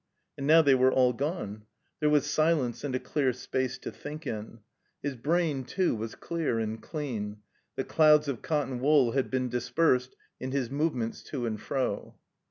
And now they were all gone. There was silence and a clear space to think in. His brain too was clear and dean. The clouds of cotton wool had been dispersed in his movements to and fro.